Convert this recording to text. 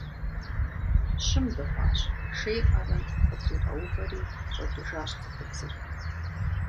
Щым дыхъуащ, шейр Ӏэнэм къытригъэувэри, щӀэкӀыжащ цӀыхубзыр.